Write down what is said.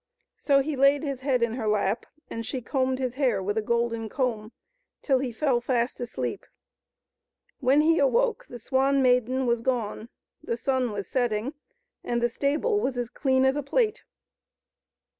So he laid his head in her lap, and she combed his hair with a golden comb till he fell fast asleep. When he awoke the Swan Maiden was gone, the sun was setting, and the stable was as clean as a plate.